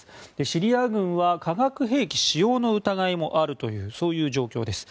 シリア軍は化学兵器使用の疑いもあるというそういう状況です。